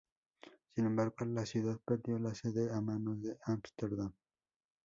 Sin embargo la ciudad perdió la sede a manos de Ámsterdam.